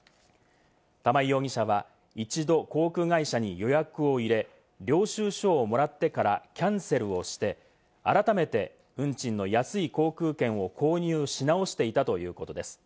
玉井容疑者は、一度航空会社に予約を入れ、領収書をもらってからキャンセルをして、改めて運賃の安い航空券を購入し直していたということです。